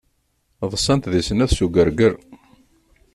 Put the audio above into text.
Ḍsant di snat s ugarger.